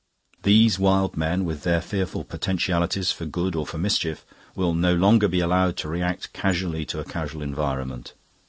These wild men, with their fearful potentialities for good or for mischief, will no longer be allowed to react casually to a casual environment.